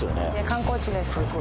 観光地です